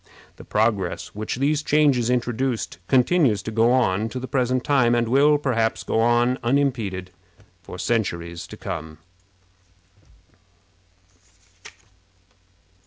The progress which these changes introduced continues to go on to the present time, and will, perhaps, go on unimpeded for centuries to come.